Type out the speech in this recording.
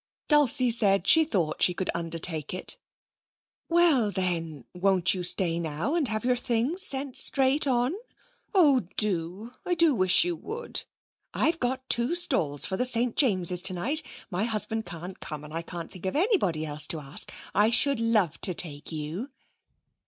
Dulcie said she thought she could undertake it. 'Well, then, won't you stay now, and have your things sent straight on? Oh, do! I do wish you would. I've got two stalls for the St James's tonight. My husband can't come, and I can't think of anybody else to ask. I should love to take you.'